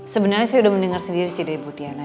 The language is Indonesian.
sebenarnya saya udah mendengar sendiri sih dari ibu tiana